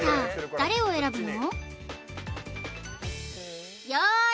誰を選ぶの？